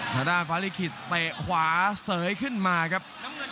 หน้าฝานลิขิตเตะขวาเสยขึ้นมาครับ